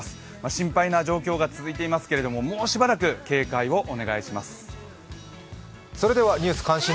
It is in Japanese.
心配な状況が続いていますがもうしばらく警戒をお願いします。